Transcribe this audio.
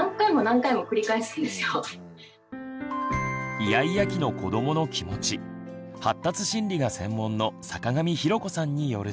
イヤイヤ期の子どもの気持ち発達心理が専門の坂上裕子さんによると。